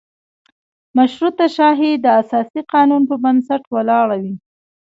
مشروطه شاهي د اساسي قانون په بنسټ ولاړه وي.